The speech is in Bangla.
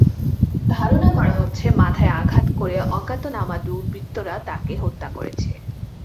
ধারণা করা হচ্ছে, মাথায় আঘাত করে অজ্ঞাতনামা দুর্বৃত্তরা তাঁকে হত্যা করেছে।